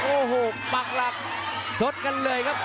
โอ้โหปักหลักสดกันเลยครับ